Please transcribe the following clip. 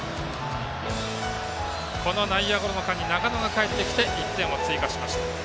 この内野ゴロの間に中野がかえってきて１点を追加しました。